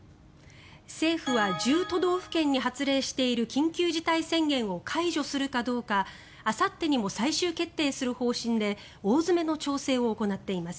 政府は１０都道府県に発令している緊急事態宣言を解除するかどうかあさってにも最終決定する方針で大詰めの調整を行っています。